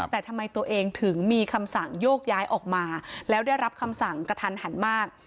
แต่ทำไมตัวเองถึงมีคำสั่งโยกย้ายออกมาแล้วได้รับคำสั่งกระทันหันมาก